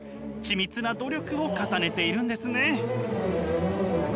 緻密な努力を重ねているんですね！